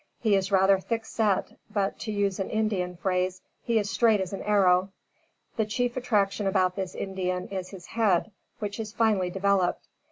He is rather thickset but, to use an Indian phrase, he is straight as an arrow. The chief attraction about this Indian is his head, which is finely developed.